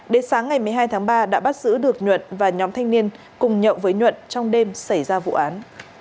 đến sáng ngày một mươi hai tháng ba đã bắt giữ được nhuận và nhóm thanh niên cùng nhậu với nhuận trong đêm xảy ra vụ án